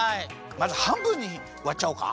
まずはんぶんにわっちゃおうか。